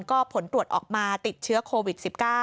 ก็ผลตรวจออกมาติดเชื้อโควิด๑๙